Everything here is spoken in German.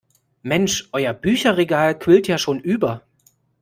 Mensch, euer Bücherregal quillt ja schon über.